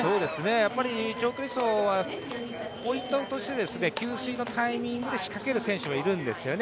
やっぱり長距離走は給水のタイミングで仕掛ける選手はいるんですよね。